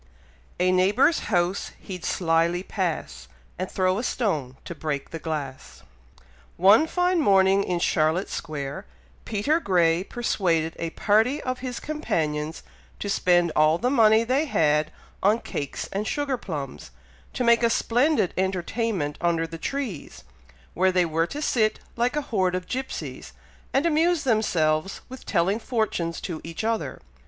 A neighbour's house he'd slyly pass, And throw a stone to break the glass. One fine morning in Charlotte Square, Peter Grey persuaded a party of his companions to spend all the money they had on cakes and sugar plums, to make a splendid entertainment under the trees, where they were to sit like a horde of gypsies, and amuse themselves with telling fortunes to each other.